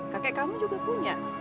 kakek kamu juga punya